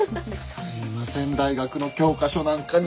すいません大学の教科書なんかに。